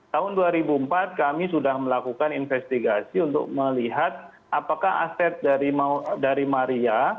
tahun dua ribu empat kami sudah melakukan investigasi untuk melihat apakah aset dari maria